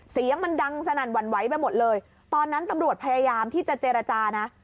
เสียงมันดังสนั่นหวั่นไหวไปหมดเลยตอนนั้นตำรวจพยายามที่จะเจรจานะ